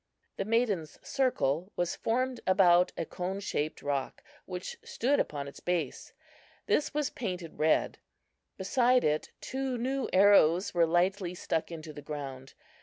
The maidens' circle was formed about a coneshaped rock which stood upon its base. This was painted red. Beside it two new arrows were lightly stuck into the ground.